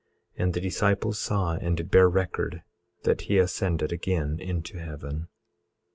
And the disciples saw and did bear record that he ascended again into heaven.